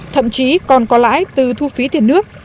thậm chí còn có lãi từ thu phí tiền nước